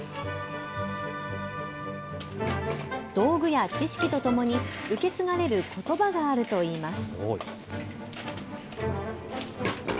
道具や知識とともに受け継がれることばがあるといいます。